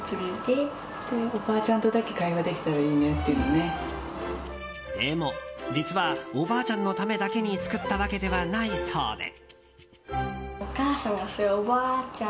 でも実はおばあちゃんのためだけに作ったわけではないそうで。